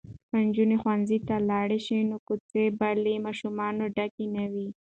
که نجونې ښوونځي ته لاړې شي نو کوڅې به له ماشومانو ډکې نه وي.